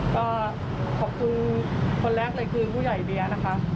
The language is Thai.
ก็ขอบคุณคนแรกเลยคือผู้ใหญ่เบียร์นะคะ